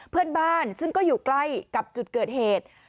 เพื่อนบ้านซึ่งก็อยู่ใกล้กับจุดเกิดเหตุ